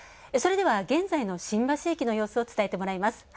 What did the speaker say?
それでは、現在の新橋駅の様子を伝えてもらいます。